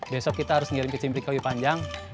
besok kita harus ngirim kecinpring ke wipanjang